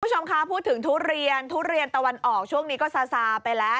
คุณผู้ชมคะพูดถึงทุเรียนทุเรียนตะวันออกช่วงนี้ก็ซาซาไปแล้ว